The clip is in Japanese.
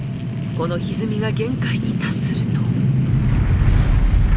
このひずみが限界に達すると。